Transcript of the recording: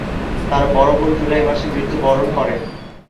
তার বড় বোন জুলাই মাসে মৃত্যুবরণ করে।